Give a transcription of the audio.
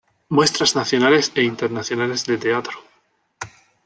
Muestras Nacionales e Internacionales de Teatro.